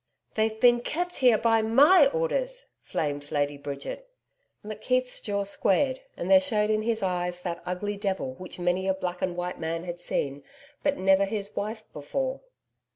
'They've been kept here by MY orders,' flamed Lady Bridget. McKeith's jaw squared, and there showed in his eyes that ugly devil which many a black and white man had seen, but never his wife before.